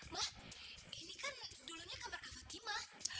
ma ini kan dulunya kamar kawakimah